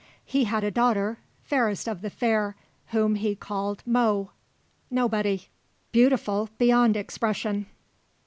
He had a daughter, fairest of the fair, whom he called Mo (Nobody), beautiful beyond expression.